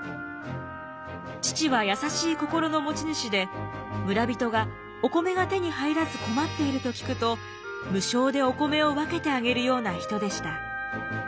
父は優しい心の持ち主で村人がお米が手に入らず困っていると聞くと無償でお米を分けてあげるような人でした。